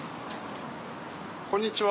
こんにちは。